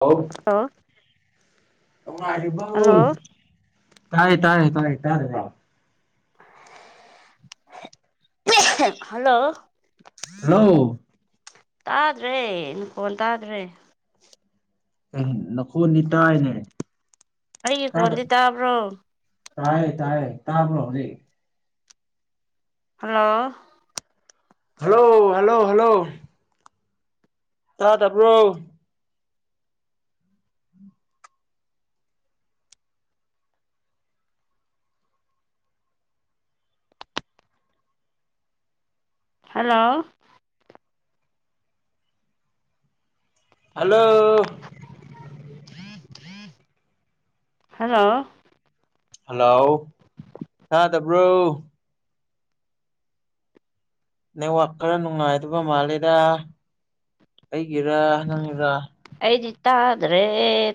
ꯍꯂ ꯍꯜꯂꯣ ꯅꯨꯡꯉꯥꯏꯔꯤꯕꯔꯤꯕꯥꯎ ꯍꯜꯂꯣ [inaudible] ꯇꯥꯏ ꯇꯥꯏ ꯇꯥꯏ ꯇꯥꯏꯌꯦ ꯍꯜꯂꯣ ꯍꯜꯂꯣ ꯇꯥꯗ꯭ꯔꯦ ꯅꯈꫭꯟ ꯇꯥꯗ꯭ꯔꯦ ꯅꯪ ꯅꯈꯣꯟꯗꯤ ꯇꯥꯏꯅꯦ ꯑꯩꯒꯤ ꯈꯣꯟꯗꯤ ꯇꯥꯕ꯭ꯔꯣ ꯇꯥꯏꯌꯦ ꯇꯥꯏꯌꯦ ꯇꯥꯕ꯭ꯔꯣ ꯍꯧꯖꯤꯛ ꯍꯜꯂꯣ ꯍꯜꯂꯣ ꯍꯜꯂꯣ ꯍꯜꯂꯣ ꯇ ꯇꯔꯕ꯭ꯔꯣ ꯍꯜꯂꯣ ꯍꯜꯂꯣ ꯍꯜꯂꯣ ꯍꯂꯣ ꯇꯕ꯭ꯔꯣ ꯅꯦꯠꯋꯥꯛ ꯈꯔ ꯅꯨꯡꯉꯥꯏꯗꯕ ꯃꯥꯂꯦꯔ ꯑꯩꯒꯤꯔ ꯅꯪꯒꯤꯔ ꯑꯩꯗꯤ ꯇꯥꯗ꯭ꯔꯦ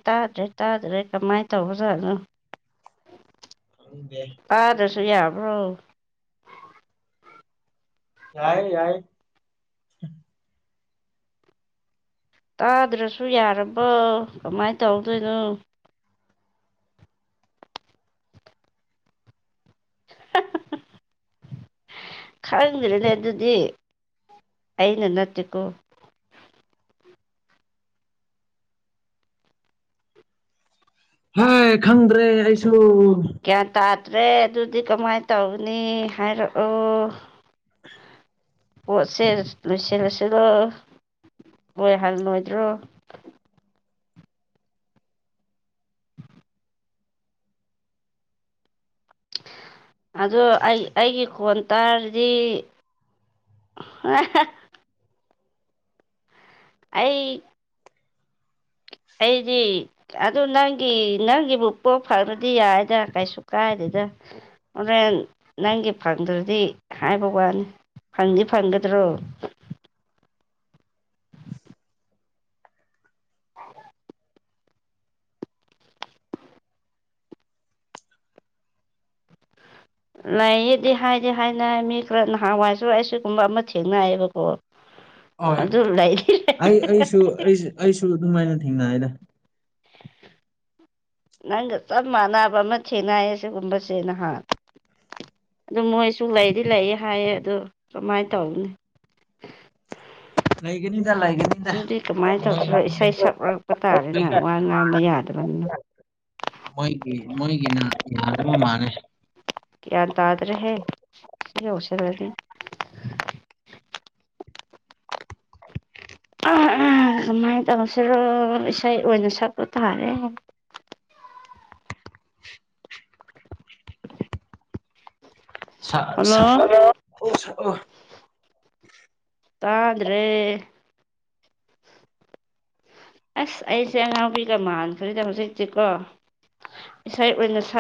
ꯇꯥꯗ꯭ꯔꯦ ꯇꯥꯗ꯭ꯔꯦ ꯀꯃꯥꯏꯅ ꯇꯧꯕꯖꯥꯠꯅꯣ ꯈꯪꯗꯦ ꯇꯥꯗ꯭ꯔꯁꯨ ꯌꯥꯕ꯭ꯔꯣ ꯌꯥꯏ ꯌꯥꯏ ꯇꯥꯗ꯭ꯔꯁꯨ ꯌꯥꯔꯕꯣ ꯀꯃꯥꯏꯅ ꯇꯧꯗꯣꯏꯅꯣ [unintelligible] ꯈꯪꯗ꯭ꯔꯅꯦ ꯑꯗꯨꯗꯤ ꯑꯩꯅ ꯅꯠꯇꯦꯀꯣ ꯍꯥꯏ ꯈꯪꯗ꯭ꯔꯦ ꯑꯩꯁꯨ ꯀ꯭ꯌꯥꯟ ꯇꯥꯗ꯭ꯔꯦ ꯑꯗꯨꯗꯤ ꯀꯃꯥꯏꯅ ꯇꯧꯒꯅꯤ ꯍꯥꯏꯔꯛꯑꯣ ꯄꯣꯠꯁꯦ ꯂꯣꯏꯁꯤꯜꯂꯁꯤꯔꯣ ꯂꯣꯏ ꯍꯜꯂꯣꯏꯗ꯭ꯔꯣ ꯑꯗꫭ ꯑꯩ ꯑꯩꯒꯤ ꯈꯣꯟ ꯇꯥꯔꯗꯤ ꯍ ꯑꯩ ꯑꯩꯗꯤ ꯑꯗꯨ ꯅꯪꯒꯤ ꯅꯪꯒꯤꯕꯨ ꯄꯣ ꯐꯔꯗꯤ ꯌꯥꯏꯗ ꯀꯩꯁꯨ ꯀꯥꯏꯗꯦꯗ ꯍꯣꯔꯦꯟ ꯅꯪꯒꯤ ꯐꯪꯗ꯭ꯔꯗꯤ ꯍꯥꯏꯕ ꯋꯥꯅꯤ ꯐꯪꯗꯤꯦ ꯐꯪꯒꯗ꯭ꯔꯣ ꯂꯩꯌꯦꯗꯤ ꯍꯥꯏꯗꯤ ꯍꯥꯏꯅ ꯃꯤ ꯈꯔ ꯅꯍꯥꯟꯋꯥꯏꯁꯨ ꯁꯤꯒꯨꯝꯕ ꯑꯃ ꯊꯦꯡꯅꯌꯦꯕꯀꯣ ꯍꯣꯏ ꯑꯩ ꯑꯩꯁꯨ ꯑꯩꯁꯨ ꯑꯩꯁꯨ ꯑꯗꯨꯃꯥꯏꯅ ꯊꯦꯡꯅ ꯍꯥꯏꯗ ꯅꯪꯒ ꯆꯞ ꯃꯥꯟꯅꯕ ꯑꯃ ꯊꯦꯡꯅꯩꯌꯦ ꯁꯤꯒꯨꯝꯕꯁꯦ ꯅꯍꯥꯟ ꯑꯗꯨ ꯃꯣꯏꯁꯨ ꯂꯩꯗꯤ ꯂꯩꯌꯦ ꯍꯥꯏꯌꯦ ꯑꯗꯨ ꯀꯃꯥꯏꯅ ꯇꯧꯒꯅꯤ ꯂꯩꯒꯅꯤꯗ ꯂꯩꯒꯅꯤꯗ ꯑꯗꯨꯗꯤ ꯀꯃꯥꯏꯅ ꯇꯧꯁꯤꯔꯣ ꯏꯁꯩ ꯃꯣꯏ ꯁꯛꯂꯛꯄ ꯇꯥꯔꯦꯅꯦ ꯋꯥ ꯉꯥꯡꯕ ꯌꯥꯗꯦ ꯇꯅ ꯃꯣꯏꯒꯤ ꯃꯣꯏꯒꯤꯅ ꯌꯥꯅꯕ ꯃꯥꯥꯟꯂ ꯒ꯭ꯌꯥꯟ ꯇꯥꯗ꯭ꯔꯦꯍꯦ ꯁꯤ ꯌꯧꯁꯤꯜꯂꯅꯤ ꯑꯥ ꯑꯥ ꯀꯃꯥꯏꯅ ꯇꯧꯁꯤꯔꯣ ꯏꯁꯩ ꯑꯣꯏꯅ ꯁꯛ ꯆꯠꯄ ꯇꯥꯔꯦ ꯁ ꯍꯜꯂꯣ ꯁꯛꯑꯣ ꯁꯛꯑꯣ ꯇꯥꯗ꯭ꯔꯦ ꯑꯁ ꯑꯩꯁꯦ ꯑꯉꯥꯎꯕꯤꯒ ꯃꯥꯟꯈ꯭ꯔꯤꯗ ꯍꯧꯖꯤꯛꯇꯤꯀꯣ ꯏꯁꯩ ꯑꯣꯏꯅ ꯁ